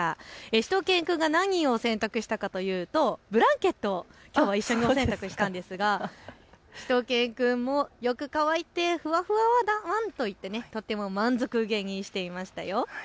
しゅと犬くんが何を洗濯したかというとブランケットをきょうは一緒にお洗濯したんですがしゅと犬くんもよく乾いてふわふわだワンと言ってとても満足げにしていましたよ。